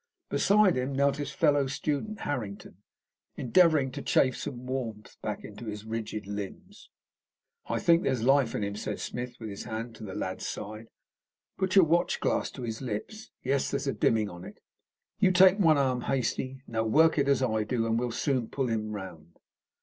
Beside him knelt his fellow student Harrington, endeavouring to chafe some warmth back into his rigid limbs. "I think there's life in him," said Smith, with his hand to the lad's side. "Put your watch glass to his lips. Yes, there's dimming on it. You take one arm, Hastie. Now work it as I do, and we'll soon pull him round."